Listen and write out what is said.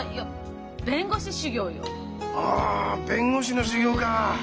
あ弁護士の修業か！